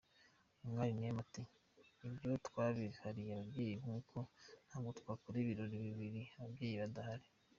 Umwali Neema ati “Ibyo twabihariye ababyeyi kuko ntabwo twakora ibirori bibiri ababyeyi badahari.